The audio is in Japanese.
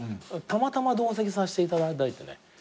たまたま同席させていただいてね